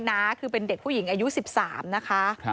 น้าคือเป็นเด็กผู้หญิงอายุ๑๓นะคะ